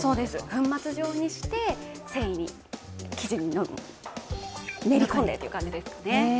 粉末状にして生地に練り込んでという感じです。